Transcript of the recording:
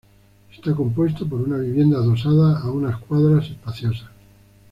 Está compuesto por una vivienda adosada a unas cuadras espaciosas.